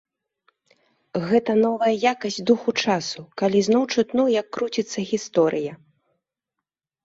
Гэта новая якасць духу часу, калі зноў чутно, як круціцца гісторыя.